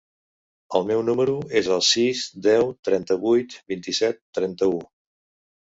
El meu número es el sis, deu, trenta-vuit, vint-i-set, trenta-u.